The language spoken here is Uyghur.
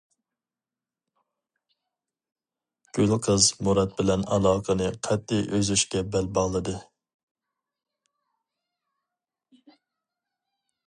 گۈلقىز مۇرات بىلەن ئالاقىنى قەتئىي ئۈزۈشكە بەل باغلىدى.